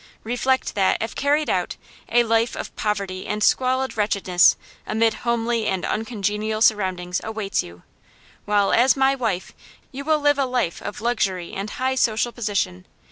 Reflect that, if carried out, a life of poverty and squalid wretchedness amid homely and uncongenial surroundings awaits you; while, as my wife, you will live a life of luxury and high social position.